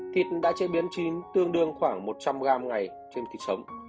thịt đã chế biến chín tương đương khoảng một trăm linh gram ngày trên thịt sống